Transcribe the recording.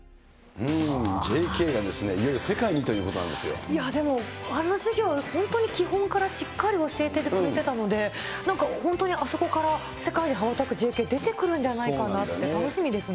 ＪＫがいよいよ世界にというでもあの授業、本当に基本からしっかり教えてくれてたので、なんか本当にあそこから世界に羽ばたくＪＫ出てくるんじゃないかなって、楽しみですね。